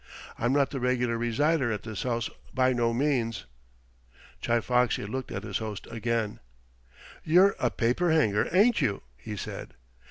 I'm not the regular resider at this house by no means." Chi Foxy looked at his host again. "You're a paper hanger, ain't you?" he said.